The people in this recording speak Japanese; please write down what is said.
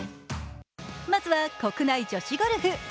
まずは、国内女子ゴルフ。